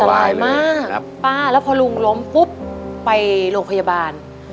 บายมากป้าแล้วพอลุงล้มปุ๊บไปโรงพยาบาล